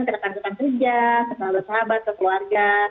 ke rekan rekan kerja ke sahabat ke keluarga